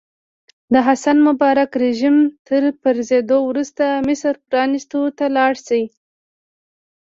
د حسن مبارک رژیم تر پرځېدو وروسته مصر پرانیستو ته لاړ شي.